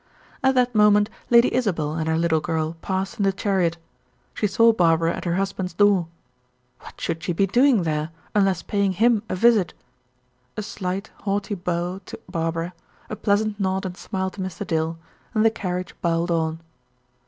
At that moment Lady Isabel and her little girl passed in the chariot. She saw Barbara at her husband's door; what should she be doing there, unless paying him a visit? A slight, haughty bow to Barbara, a pleasant nod and smile to Mr. Dill, and the carriage bowled on.